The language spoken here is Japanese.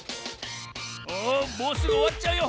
おもうすぐおわっちゃうよ。